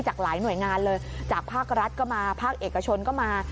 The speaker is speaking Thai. จากหลายหน่วยงานเลยจากภาครัฐก็มาภาคเอกชนก็มา